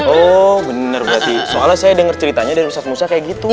oh bener berarti soalnya saya denger ceritanya dari ustadz musa kayak gitu